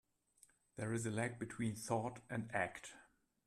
There is a lag between thought and act.